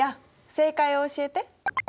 正解を教えて！